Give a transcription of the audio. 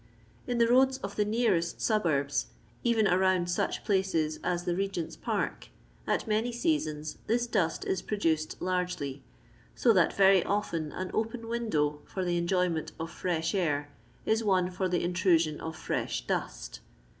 In the roads of the nearest suburbs, even around such places as the Regent's park, at many seasons tnis dust is produced largely, so thi^ very often an open window for the enjoyment of fresh air is one for the intrusion of firsh dust.